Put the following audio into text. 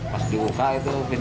pas dibuka itu bencana